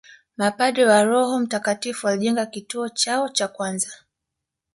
Mapadre wa Roho mtakatifu walijenga kituo chao cha kwanza